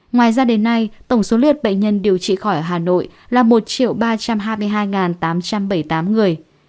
ngoài ra đến nay tổng số lượt bệnh nhân điều trị khỏi hà nội là một ba trăm hai mươi hai tám trăm bảy mươi tám người